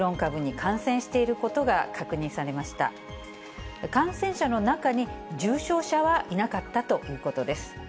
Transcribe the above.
感染者の中に、重症者はいなかったということです。